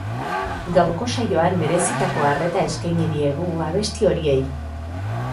Gaurko saioan merezitako arreta eskaini diegu abesti horiei.